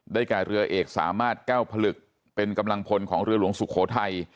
แก่เรือเอกสามารถแก้วผลึกเป็นกำลังพลของเรือหลวงสุโขทัย